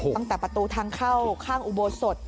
ตั้งแต่ประตูทางเข้าข้างอุโบสถ